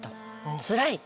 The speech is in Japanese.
つらい。